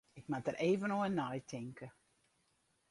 Ik moat der even oer neitinke.